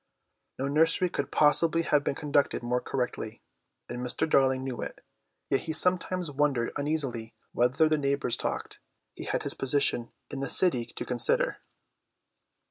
No nursery could possibly have been conducted more correctly, and Mr. Darling knew it, yet he sometimes wondered uneasily whether the neighbours talked. He had his position in the city to consider.